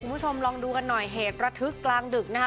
คุณผู้ชมลองดูกันหน่อยเหตุระทึกกลางดึกนะคะ